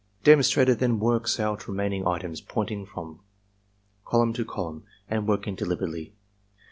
Demonstrator then works out remaining items, pointing from column to column and working deliberately.